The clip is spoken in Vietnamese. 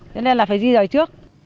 cho nên là phải di rời trước